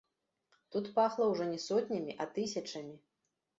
Тут пахла ўжо не сотнямі, а тысячамі.